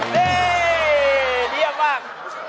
เย่เยี่ยมมาก